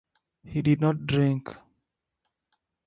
He did not drink.